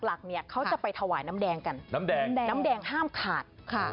หลักเขาจะไปถวายน้ำแดงกันน้ำแดงน้ำแดงห้ามขาด